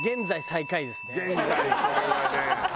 現在これはね。